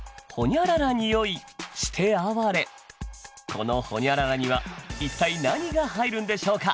このほにゃららには一体何が入るんでしょうか？